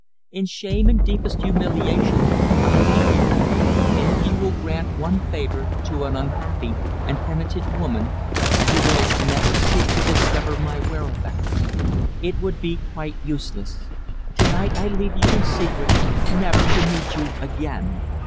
In shame and deepest humiliation I leave you, and if you will grant one favour to an unhappy and penitent woman, you will never seek to discover my whereabouts. It would be quite useless. To night I leave you in secret, never to meet you again.